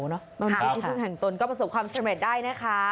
ตอนนี้ที่พึ่งแห่งตนก็ประสบความสำเร็จได้นะคะ